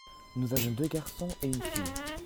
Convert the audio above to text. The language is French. Nous avons deux garçons et une fille.